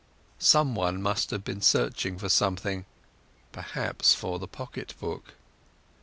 Someone must have been searching for something—perhaps for the pocket book.